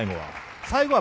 最後は。